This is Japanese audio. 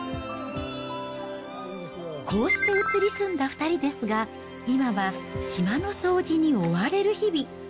こうして移り住んだ２人ですが、今は島の掃除に追われる日々。